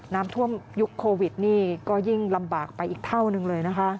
น้ำท่วมยุคโควิดนี่ก็ยิ่งลำบากไปอีกเท่านึงเลยนะคะ